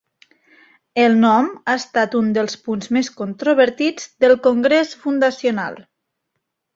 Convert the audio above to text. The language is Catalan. El nom ha estat un dels punts més controvertits del congrés fundacional.